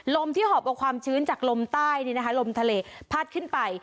ลมที่หอบกับความชื้นจากลมใต้เนี้ยนะคะลมทะเลพัดขึ้นไป